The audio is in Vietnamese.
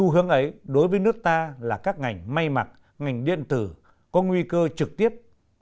hướng ấy đối với nước ta là các ngành may mặt ngành điện tử có nguy cơ trực tiếp